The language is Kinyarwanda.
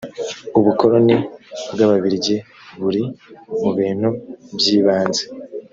ubukoloni bw’ ababirigi buri mu bintu by’ ibanze